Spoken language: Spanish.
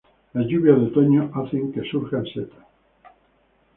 Las lluvias de otoño hacen que surjan setas.